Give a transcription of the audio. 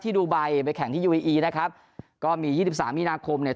ดูไบไปแข่งที่ยูเออีนะครับก็มียี่สิบสามมีนาคมเนี่ย